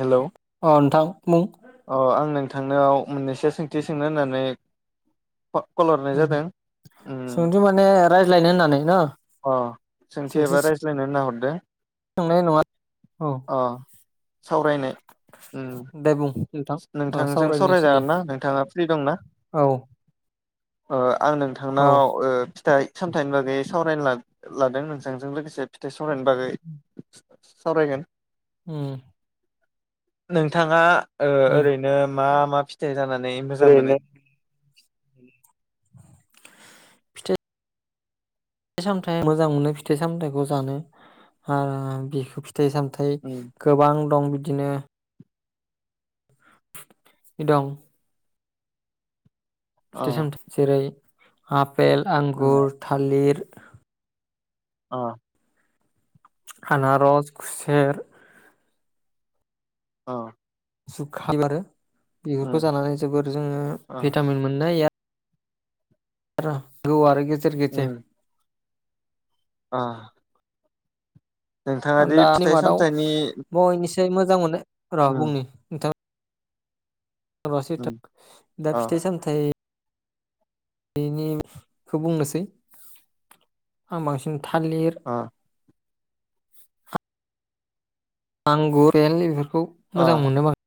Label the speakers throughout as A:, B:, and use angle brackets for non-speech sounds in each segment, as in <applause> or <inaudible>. A: Hello.
B: अ नोंथां बुं।
A: अ आं नोंथांनाव मोननैसो सोंथि सोंनो होननानै क कलहर
B: उम सोंथि माने रायज्लायनो होननानै न'
A: अ सोंथि एबा रायज्लायनो होनना हरदो
B: सोंनाय नङा औ।
A: अ सावरायनाय उम
B: दे बुं <inaudible> अ
A: नोंथांजों
B: सावरायनोसै दे
A: सावरायजागोन ना नोंथाङा फ्रि दंना?
B: औ
A: ओ आं
B: औ
A: नोंथांनाव ओ फिथाइ सामथाइनि बागै सावरायनो ला लादों नोंथांजों लोगोसे फिथाइ सावरायनायनि बागै। सावरायगोन।
B: उम
A: नोंथाङा ओ
B: उम
A: ओरैनो मा मा फिथाइ जानानै मोजां
B: ओरैनो
A: मोनो?
B: फिथाइ सामथाय मोजां मोनो फिथाइ सामथायाइखौ जानो ओ बेखो फिथाइ सामथाय
A: उम
B: गोबां दं बिदिनो। दं।
A: अ
B: फिथाय सामथाय जेरै आपेल,
A: उम
B: आंगुर, थालिर।
A: अ।
B: आनारस, खुसेेर।
A: अ।
B: जुखाम आरो
A: उम
B: बिफोरखौ जानानै जोबोर जोङो
A: अ
B: भिटामिन मोननो हायो आ र औ आरो गेजेर गेजेर।
A: आ
B: आं
A: दि
B: दानि
A: फिथाइ
B: मादाव
A: सामथाइनि
B: बयनिसाय मोजां मोननाय र'
A: उम
B: बुंनि नोंथां
A: उम
B: <unintelligible> दा
A: अ
B: फिथाइ सामथाय बेनिखौ बुंनोसै, आं बांसिन थालिर
A: आ
B: आंगुर बेल बेफोरखौ
A: अ
B: मोजां मोननो बां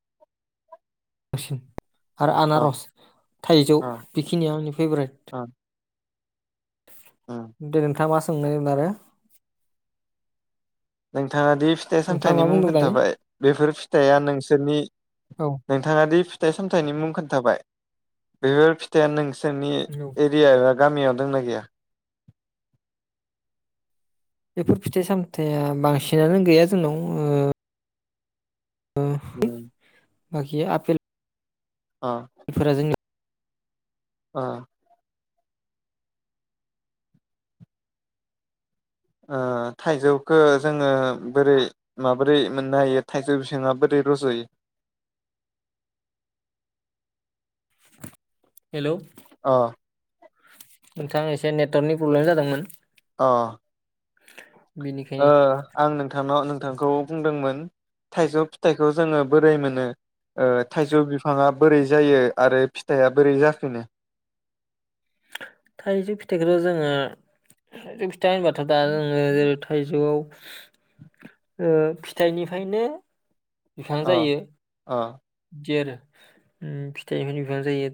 B: सिन आरो
A: अ
B: आनारस थाइजौ
A: अ
B: बेखिनिया आंनि फेभरेट।
A: अ उम
B: दे नोंथाआ मा सोंनायमोन आरो?
A: नोंथाङा दि फिथाइ
B: नोंथाङा
A: सामथायाइनि
B: मा
A: मुं
B: बुंदों दानि
A: खोन्थाबाय बेफोर फिथाइया नोंसोरनि
B: औ औ
A: नोंथाङा दि फिथाइ सामथाइनि मुं खोन्थाबाय बेफोर फिथाइआ नोंसोरनि एरिया एबा गामियाव दंना गैया?
B: बेफोर फिथाइ सामथाइया बांसिनानो गैया जोंनाव ओ ओ
A: उम।
B: बाखि आपेल
A: अ।
B: फोरा जोंनि
A: अ। ओ थाइजौखो जोङो बोरै माबोरै मोननो हायो। थाइजौ बिफांआ बोरै रज'यो?
B: हेलौ
A: अ
B: नोंथाङा एसे नेटवर्कनि प्रब्लेम जादोंमोन।
A: अ
B: <unintelligible>
A: ओ आं नोंथांनाव नोंथांखौ बुंदोंमोन थाइजौ फिथाइखौ जोङो बोरै मोनो? ओ थाइजौ बिफाङा बोरै जायो आरो फिथाइआ बोरै जाफिनो?
B: थाइजौ फिथाइखौथ' जोङो थाइजौ फिथाइ होनबाथ' दा जोङो जेरै थाइजौआव ओ फिथाइनिफ्रायनो बिफां
A: अ
B: जायो।
A: अ
B: बिदि आरो ओम फिथायनिफायनो बिफां जायो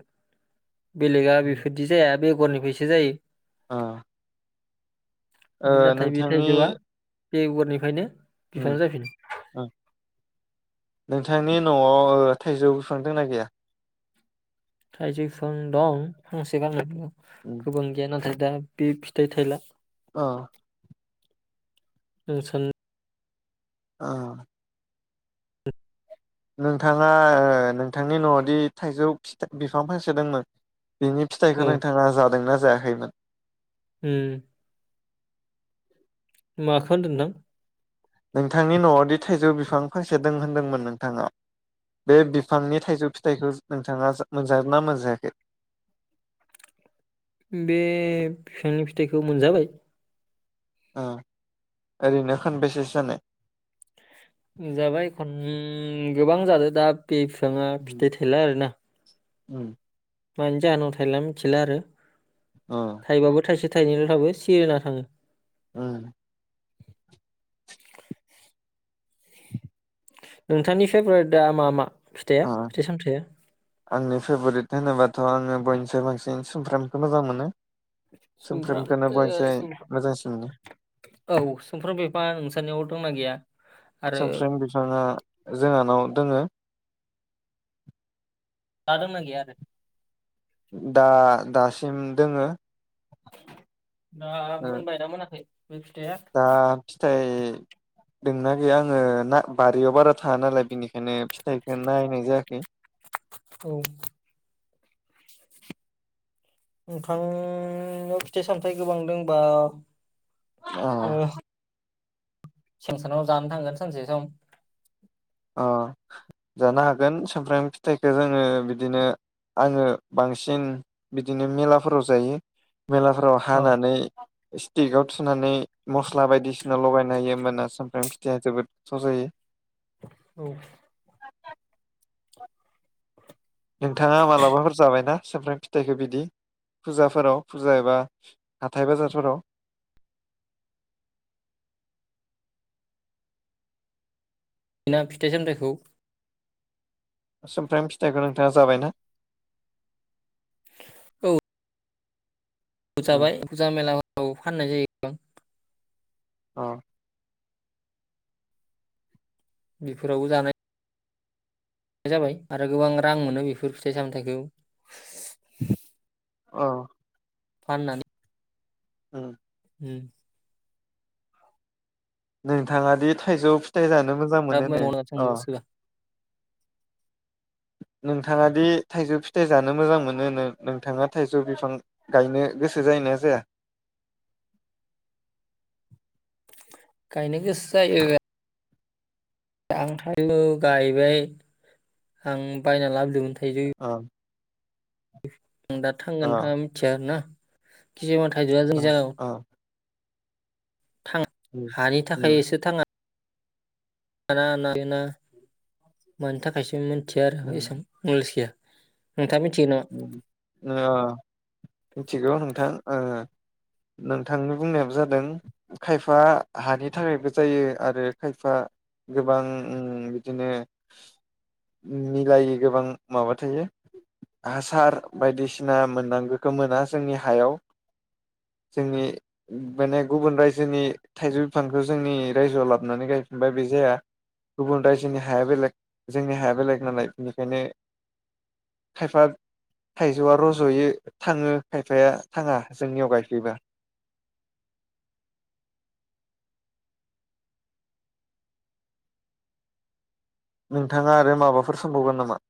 B: बेलेगा बेफोर बिदि जाया बेगरनिफ्रायसो जायो।
A: अ ओ
B: नाथाय बे
A: नोंथांनि
B: थाइजौआ बेगरनिफ्रायनो बिफां
A: उम
B: जाफिनो
A: ओम नोंथांनि न'आव ओ थायजौ बिफां दंना गैया?
B: थायजौ बिफां दं फांसे फांनै
A: उम
B: गोबां गैया नाथाय दा बे फिथाइ थायला।
A: अ
B: जों सान
A: अ नोंथाङा ओ नोंथांनि न'आवदि थाइजौ बिफां फांसेदोंमोन बेनि फिथाइखौ
B: औ
A: नोंथाङा जादोंना जायाखैमोन?
B: ओम माखो होनदों नों?
A: नोंथांनि न'आवदि थाइजौ बिफां फांसे दों होनदोंमोन नोंथाङा। बे बिफांनि थाइजौ फिथाइखौ नोंथाङा जा मोनजादोंना मोनजायाखै?
B: बे फिफांनि फिथाइखौ मोनजाबाय।
A: ओ ओरैनो खानबेसेसो जानाय?
B: जाबाय खन गोबां जादों दा बे फिफाङा फिथाइ थायला आरोना।
A: उम
B: मानि जाहोनाव थायला मिथिला आरो।
A: ओ
B: थाइबाबो थाइसे थाइनैल' थाबाय सिरिना थाङो।
A: उम
B: नोंथांनि फेभराइटआ मा मा फिथाइया
A: अ
B: फिथाइ सामथाइया?
A: आंनि फेभराइट होनोबाथ' आङो बयनिसाय बांसिन सुमफ्रामखौनो मोजां मोनो।
B: सुमफ्राम
A: सुमफ्रामखौनो
B: ओ
A: बयनिसाय
B: सुमफ्राम
A: मोजांसिन मोनो।
B: औ सुमफ्राम बिफाङा नोंसानियाव दंना गैया? आरो
A: सुमफ्राम बिफाङा जोंहानाव दोङो।
B: दा दंना गैया आरो?
A: दा दासिम दोङो।
B: दा
A: ओ
B: मोनबायना मोनाखै बे फिथाइया?
A: दा फिथाइ दंना गैया आङो ना बारियाव बारा थाङा नालाय बिनिखायनो फिथाइखो नायनाय जायाखै।
B: औ। नोंथांनाव फिथाइ सामथाइ गोबां दंबा
A: औ।
B: ओ <unintelligible> जानो थांगोन सानसे जों।
A: अ जानो हागोन सुमफ्राम फिथाइखो जोङो बिदिनो आङो बांसिन बिदिनो मेलाफोराव जायो मेलाफोराव
B: औ
A: हानानै स्टिकाव थुनानै मस्ला बायदिसि सिना लगायना होयो होमबाना सुमफ्राम फिथाइया जोबोद गोथाव जायो।
B: औ।
A: <inaudible> नोंथाङा मालाबाफोर जाबायना सुमफ्राम फिथ थाइखो बिदि फुजाफोराव फुजा एबा हाथाइ बाजारफोराव?
B: सिना फिथाइ सामथाइखौ।
A: सुमफ्राम फिथाइखौ नोंथाङा जाबायना?
B: औ।
A: अ
B: जाबाय फुजा मेलाफोराव फाननाय जायो।
A: अ।
B: बेफोरावबो जानाय जाबाय आरो गोबां रां मोनो बेफोर फिथाइ सामथाइखौ
A: अ।
B: फाननानै।
A: उम।
B: उम।
A: नोंथाङादि थाइजौ फिथाइ जानो मोजां
B: थाब
A: मोनोनो
B: मावना
A: अ
B: थांनो गोसोबा
A: नोंथाङा दि थाइजौ फिथाइ जानो मोजां मोनो नो नोंथाङा थाइजौ बिफां गायनो गोसो जायोना जाया
B: गायनो गोसो जायो। आं थाइजौ गायबाय आं बायना लाबोदोंमोन थाइजौ
A: अ
B: आं दा
A: अ
B: थांगोन थाङा मिथिया आरोना किसुमान थाइजौआ
A: अ
B: जोंनि जायगायाव
A: अ
B: थाङा
A: उम
B: हानि
A: उम
B: थाखायसो थाङा ना ना मानि थाखायसो मिथिया आरो एसां
A: उम
B: नलेज गैया नोंथाङा मिथिगो नामा
A: ओ मिथिगौ नोंथां ओ नोंथांनि बुंनायाबो जादों खायफा हानि थाखायबो जायो आरो खायफा गोबां उम बिदिनो मिलायै गोबां माबा थायो हासार बायदिसिना मोननांगोखो मोना जोंनि हायाव जोंनि माने गुबुन रायजोनि थाइजौ बिफांखो जोंनि रायजोआव लाबनानै गायफिनबा बे जाया गुबुन रायजोनि हाया बेलेग जोंनि हाया बेलेग नालाय बेखायनो खायफा थाइजौआ रज'यो थाङो खायफाया थाङा जोंनियाव गायफैबा नोंथाङा आरो माबाफोर सोंबावगोन नामा